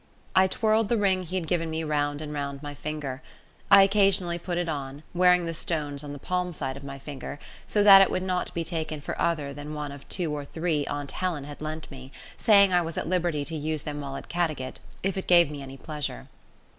I twirled the ring he had given me round and round my finger. I occasionally put it on, wearing the stones on the palm side of my finger, so that it would not be taken for other than one of two or three aunt Helen had lent me, saying I was at liberty to use them while at Caddagat, if it gave me any pleasure.